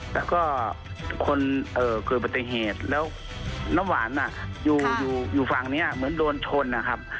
แล้วก็คนเกิดปฏิเหตุแล้วน้ำหวานอยู่ฝั่งนี้เหมือนโดนชนนะครับ